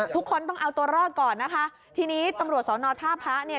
ทุกคนต้องเอาตัวรอดก่อนนะคะทีนี้ตำรวจสอนอท่าพระเนี่ย